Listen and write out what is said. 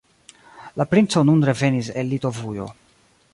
La princo nun revenis el Litovujo.